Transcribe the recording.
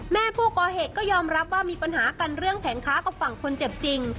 แม่ผู้ก่อเหตุก็ยอมรับว่ามีปัญหากันเรื่องแผงค้ากับฝั่งคนเจ็บจริง